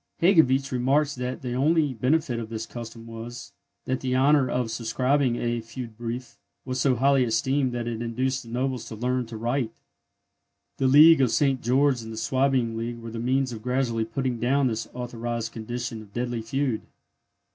Hegewisch remarks that the only benefit of this custom was, that the honour of subscribing a feud brief was so highly esteemed that it induced the nobles to learn to write! The League of St. George and the Swabian League were the means of gradually putting down this authorized condition of deadly feud.